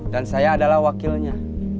dan saya adalah wakilnya